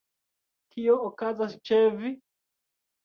Kio okazas ĉe vi?